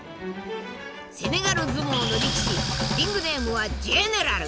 セネガル相撲の力士リングネームはジェネラル。